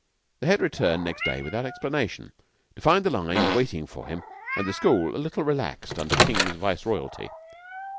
The Head returned next day without explanation, to find the lines waiting for him and the school a little relaxed under Mr. King's viceroyalty.